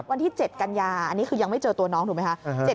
วันที่๗กันยาอันนี้คือยังไม่เจอตัวน้องถูกไหมคะ